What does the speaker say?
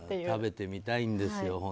食べてみたいんですよ